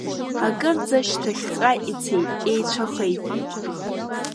Акырӡа шьҭахьҟа ицеит, еицәахеит.